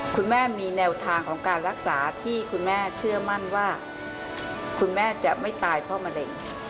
คุณแม่มีแนวทางของการรักษาที่คุณแม่เชื่อมั่นว่าคุณแม่จะไม่ตายเพราะมะเร็ง